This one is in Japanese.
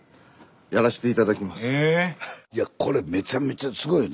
いやこれめちゃめちゃすごいよね？